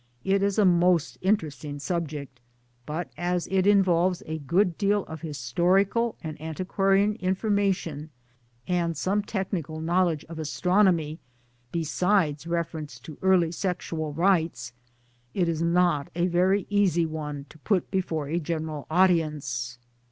It is a most interesting subject, but as it involves a good deal of historical and antiquarian information and some technical know ledge of Astronomy besides reference to early sexual rites, it is not a very easy one to put before a general audience.